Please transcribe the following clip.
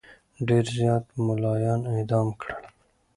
ډېر زیات مُلایان اعدام کړل.